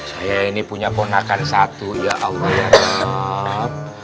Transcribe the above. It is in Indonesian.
saya ini punya ponakan satu ya allah ya